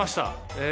え